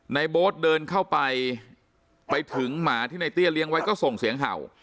โบ๊ทเดินเข้าไปไปถึงหมาที่ในเตี้ยเลี้ยงไว้ก็ส่งเสียงเห่า